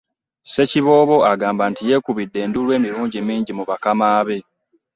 Ssekiboobo agamba nti yeekubidde enduulu emirundi mingi mu bakama be